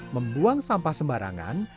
membuang sampah sembarangan